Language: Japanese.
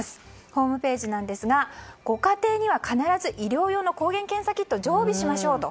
ホームページですがご家庭には必ず医療用の抗原検査キットを常備しましょう！と。